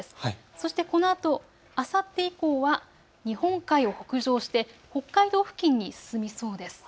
そしてこのあと、あさって以降は日本海を北上して北海道付近に進みそうです。